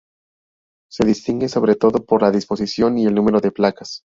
Se distinguen sobre todo por la disposición y el número de placas.